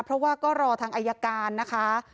เพราะว่าก็รอทางอายการนะคะ